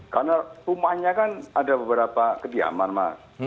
karena rumahnya kan ada beberapa kediaman mas